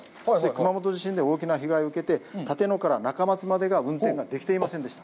熊本地震で大きな被害を受けて、立野から中松までが運転ができていませんでした。